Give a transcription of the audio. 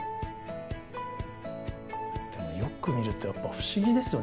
でもよく見るとやっぱ不思議ですよね。